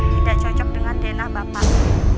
tidak cocok dengan tenah bapak